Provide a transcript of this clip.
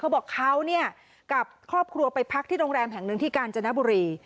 บอกเขาเนี่ยกับครอบครัวไปพักที่โรงแรมแห่งหนึ่งที่กาญจนบุรี